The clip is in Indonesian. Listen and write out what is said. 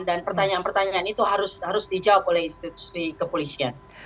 dan pertanyaan pertanyaan itu harus dijawab oleh institusi kepolisian